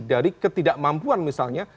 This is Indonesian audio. dari ketidakmampuan misalnya